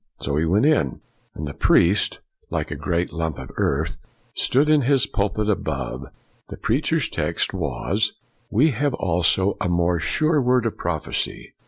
1 So in he went, " and the priest (like a great lump of earth) stood in his pulpit above." The preacher's text was, We have also a more sure word of prophecy.'